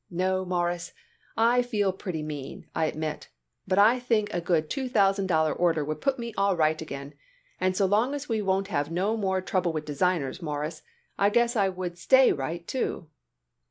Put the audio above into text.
No, Mawruss, I feel pretty mean, I admit, but I think a good two thousand dollar order would put me all right again, and so long as we wouldn't have no more trouble with designers, Mawruss, I guess I would stay right too."